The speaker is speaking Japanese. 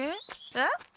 えっ？